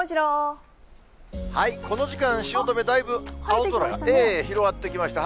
この時間、汐留、だいぶ青空、広がってきました。